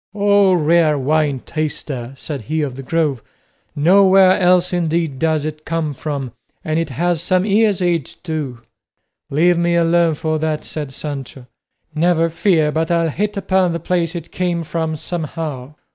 "O rare wine taster!" said he of the Grove; "nowhere else indeed does it come from, and it has some years' age too." "Leave me alone for that," said Sancho; "never fear but I'll hit upon the place it came from somehow.